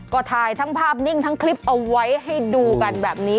ก็ถ่ายทั้งภาพนิ่งทั้งคลิปเอาไว้ให้ดูกันแบบนี้